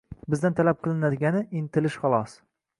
Bizdan talab qilinadigani – intilish, xolos